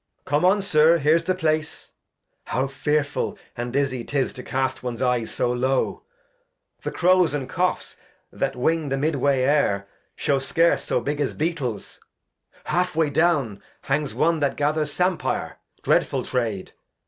Edg. Come on. Sir, here's the Place, how fearfull And dizzy 'tis to cast one's Eyes so low. The Crows and Choughs that Wing the mid Way Air Shew scarce so big as Beetles ; half Way down Hangs one that gathers Sampire, dreadf ull Trade